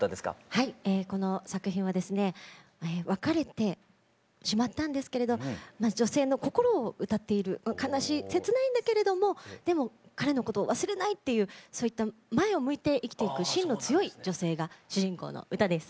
はいえこの作品はですね別れてしまったんですけれど女性の心を歌っている悲しい切ないんだけれどもでも彼のことを忘れないっていうそういった前を向いて生きていく芯の強い女性が主人公の歌です。